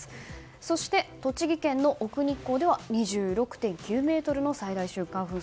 そして、栃木県の奥日光では２６．９メートルの最大瞬間風速。